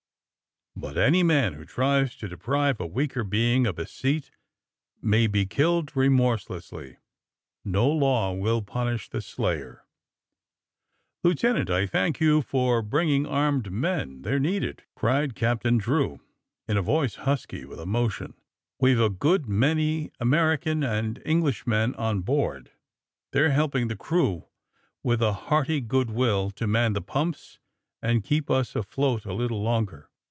But any man who tries to deprive a weaker being of a seat may be killed remorselessly. No law will punish the slayer! ^^ Lieutenant, I thank you for bringing armed men — they're needed," cried Captain Drew, ia a voice husky with emotion. We've a good many American and English men on board. They're helping the crew with a hearty good will to man the pumps and keep us afloat a lit tle longer.